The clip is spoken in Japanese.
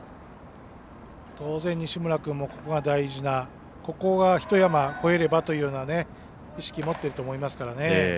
当然、西村君もここが大事なここをひと山越えればという意識を持っていると思いますからね。